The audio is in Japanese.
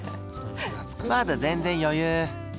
まだ全然余裕。